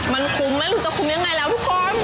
มันคุ้มไม่รู้จะคุ้มยังไงแล้วทุกคน